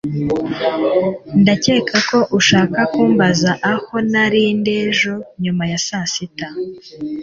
ndakeka ko ushaka kumbaza aho nari ndi ejo nyuma ya saa sita